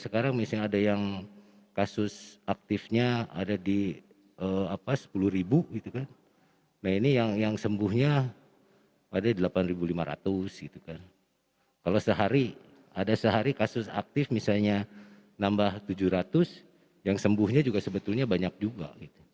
kalau sehari ada sehari kasus aktif misalnya nambah tujuh ratus yang sembuhnya juga sebetulnya banyak juga